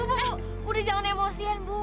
bu bu bu udah jangan emosian bu